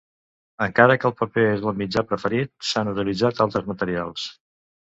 Encara que el paper és el mitjà preferit, s'han utilitzat altres materials.